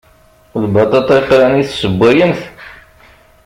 D lbaṭaṭa yeqlan i tessewwayemt?